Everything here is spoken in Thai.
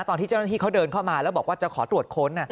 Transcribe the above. ตอนที่เจ้าหน้าที่เขาเดินเข้ามาแล้วบอกว่าจะขอตรวจค้น